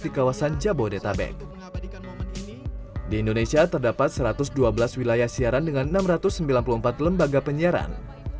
di indonesia terdapat satu ratus dua belas wilayah siaran dengan enam ratus sembilan puluh empat lembaga penyiaran